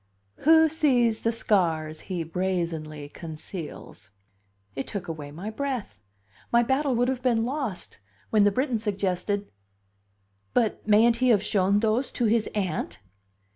"Who sees the scars he brazenly conceals?" It took away my breath; my battle would have been lost, when the Briton suggested: "But mayn't he have shown those to his Aunt?"